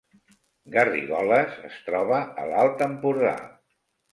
Garrigoles es troba a l’Alt Empordà